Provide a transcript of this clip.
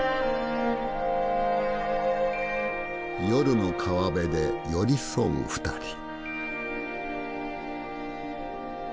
夜の川辺で寄り添う２人。